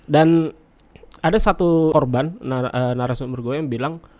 dan ada satu korban narasun mergoyang yang bilang